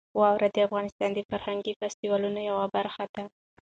واوره د افغانستان د فرهنګي فستیوالونو یوه برخه ده.